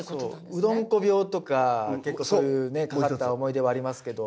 うどんこ病とか結構そういうねかかった思い出はありますけど。